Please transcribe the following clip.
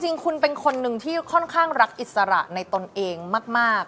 จริงคุณเป็นคนนึงที่ค่อนข้างรักอิสระในตนเองมาก